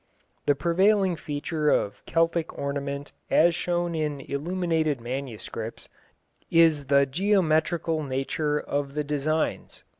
The prevailing feature of Celtic ornament as shown in illuminated manuscripts is the geometrical nature of the designs.